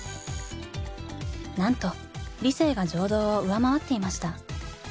なんと理性が情動を上回っていました。